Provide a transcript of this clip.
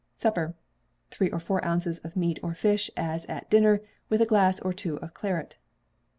Supper. Three or four ounces of meat or fish as at dinner, with a glass or two of claret.